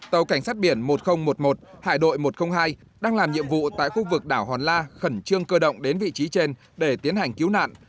tàu cảnh sát biển một nghìn một mươi một hải đội một trăm linh hai đang làm nhiệm vụ tại khu vực đảo hòn la khẩn trương cơ động đến vị trí trên để tiến hành cứu nạn